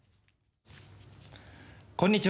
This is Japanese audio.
こんにちは。